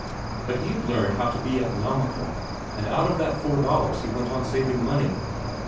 But he had learned how to be economical, and out of that four dollars he went on saving money."